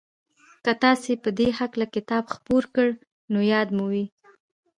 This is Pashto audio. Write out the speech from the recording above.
که تاسې په دې هکله کتاب خپور کړ نو ياد مو وي.